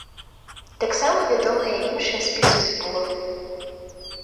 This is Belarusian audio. Таксама вядомыя іншыя спісы збору.